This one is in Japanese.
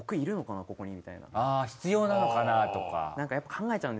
あぁ必要なのかなとか。